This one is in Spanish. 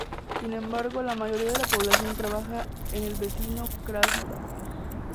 Sin embargo, la mayoría de la población trabaja en el vecino Krasnodar.